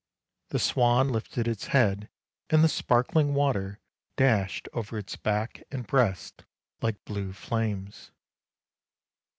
The swan lifted its head, and the sparkling water dashed over its back and breast like blue flames.